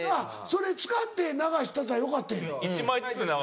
それ使って流しとったらよかったんや。